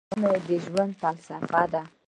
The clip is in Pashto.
مني د ژوند فلسفه ده